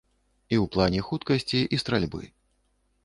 І ў плане хуткасці і стральбы.